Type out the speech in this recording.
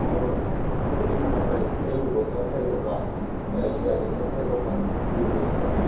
どれもやっぱり電力を使ったりとか、資材を使ったりとかということですものね。